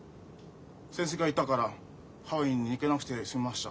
先生がいたからハワイに逃げなくて済みました。